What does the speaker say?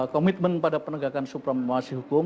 komitmen pada penegakan supremasi hukum